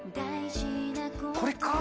これか？